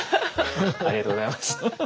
ありがとうございます。